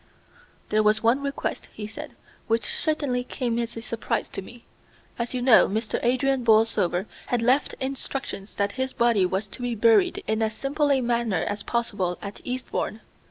"There was one request," he read, "which certainly came as a surprise to me. As you know, Mr. Adrian Borlsover had left instructions that his body was to be buried in as simple a manner as possible at Eastbourne.